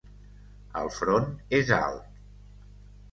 El front és alt.